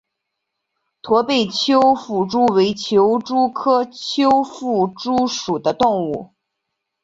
驼背丘腹蛛为球蛛科丘腹蛛属的动物。